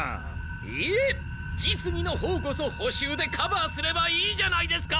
いえ実技のほうこそほ習でカバーすればいいじゃないですか！